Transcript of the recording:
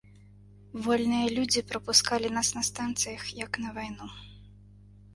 Вольныя людзі прапускалі нас на станцыях як на вайну.